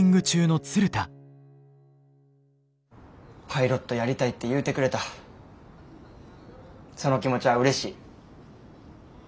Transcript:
パイロットやりたいって言うてくれたその気持ちはうれしい。